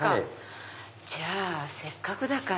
じゃあせっかくだから。